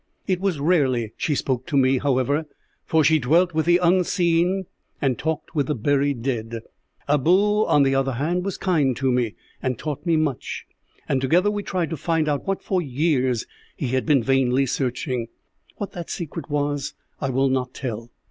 It was rarely she spoke to me, however, for she dwelt with the unseen and talked with the buried dead. Abou, on the other hand, was kind to me, and taught me much, and together we tried to find out what for years he had been vainly searching. What that secret was I will not tell.